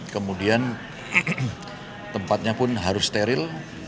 kemudian tempatnya pun harus steril